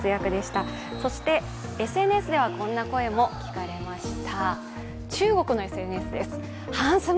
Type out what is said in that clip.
そして、ＳＮＳではこんな声も聞かれました。